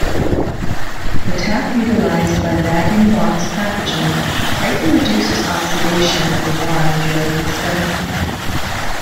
The tap utilised by bag-in-box packaging greatly reduces oxidation of the wine during dispensing.